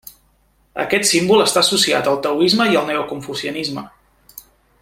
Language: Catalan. Aquest símbol està associat al taoisme i al neoconfucianisme.